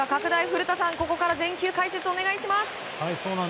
古田さん、ここから全球解説お願いします！